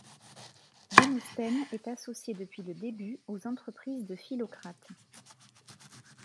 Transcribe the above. Démosthène est associé depuis le début aux entreprises de Philocrate.